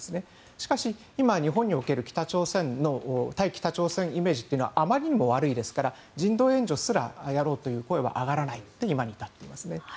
しかし今、日本における対北朝鮮イメージはあまりにも悪いですから人道援助すらやろうという声も上がらないということで現状に至っています。